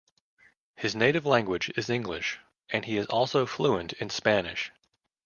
His native language is English and he is also fluent in Spanish.